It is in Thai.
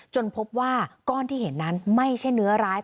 พบว่าก้อนที่เห็นนั้นไม่ใช่เนื้อร้าย